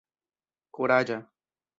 kuraĝa